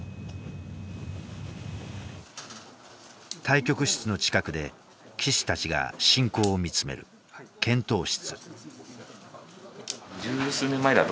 対局室の近くで棋士たちが進行を見つめる検討室。